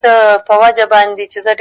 دا ځلي غواړم لېونی سم د هغې مینه کي؛